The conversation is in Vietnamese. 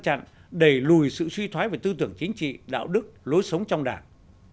chặn đẩy lùi sự suy thoái về tư tưởng chính trị đạo đức lối sống trong đảng